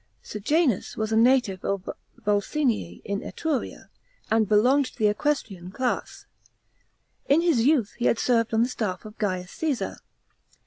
Sejanus was a native of Vulsinii in Etruria,* and belonged to the equestrian class. In his youth he had served on the staff of Gaius Csesar.